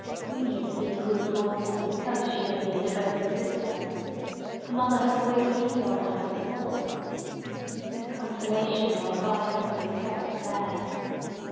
Winnie had been a good daughter because she had been a devoted sister. Her mother had always leaned on her for support. No consolation or advice could be expected there.